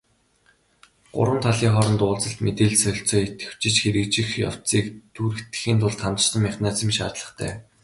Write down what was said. Гурван талын хооронд уулзалт, мэдээлэл солилцоо идэвхжиж, хэрэгжих явцыг түргэтгэхийн тулд хамтарсан механизм шаардлагатай.